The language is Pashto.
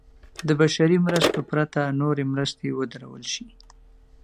د بشري مرستو پرته نورې مرستې ودرول شي.